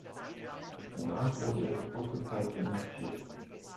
Danach wurde er für kurze Zeit inhaftiert.